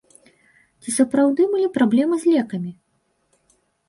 Ці сапраўды былі праблемы з лекамі?